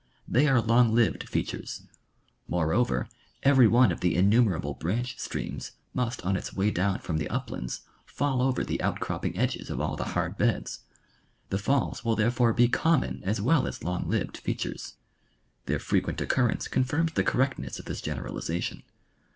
They are long lived features. Moreover everj' one of the innumerable branch streams must on its way down from the uplands fall over the outcropping edges of all the hard beds. The falls will therefore be common as well as long lived features. Their frequent occurrence confirms the correctness of this generalization.